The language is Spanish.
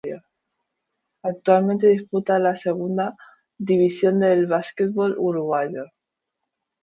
Actualmente disputa la Segunda División del básquetbol uruguayo.